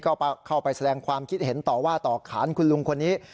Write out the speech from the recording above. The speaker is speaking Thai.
ก็เข้าไปแสดงความคิดเห็นต่อว่าต่อขานคุณลุงคนนี้